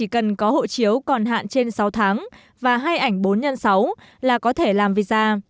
cần có hộ chiếu còn hạn trên sáu tháng và hai ảnh bốn x sáu là có thể làm visa